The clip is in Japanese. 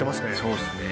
そうですね。